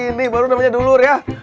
ini baru namanya dulu ya